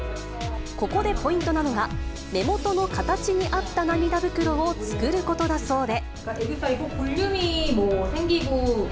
ここでポイントなのが、目元の形に合った涙袋を作ることだそうで。